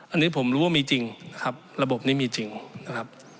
อันนี้ผมรู้ว่ามีจริงนะครับระบบนี้มีจริงนะครับ